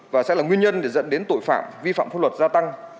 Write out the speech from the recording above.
và sẽ là nguyên nhân để dẫn đến tội phạm vi phạm pháp luật gia tăng